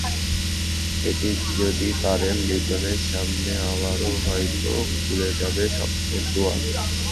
সেটি যদি পারেন, লিটনের সামনে আবারও হয়তো খুলে যাবে স্বপ্নের দুয়ার।